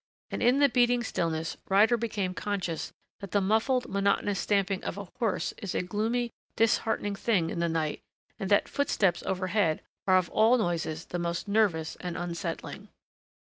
And in the beating stillness Ryder became conscious that the muffled, monotonous stamping of a horse is a gloomy, disheartening thing in the night, and that footsteps overhead are of all noises the most nervous and unsettling.